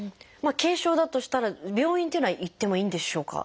軽症だとしたら病院っていうのは行ってもいいんでしょうか？